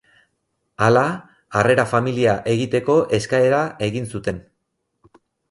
Hala, harrera familia egiteko eskaera egin zuten.